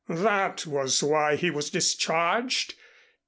"That was why he was discharged.